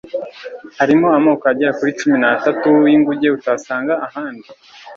harimo amoko agera kuri cumi n'atatu y'inguge utasanga ahandi